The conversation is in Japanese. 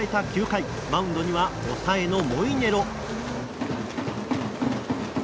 ９回マウンドには抑えのモイネロ。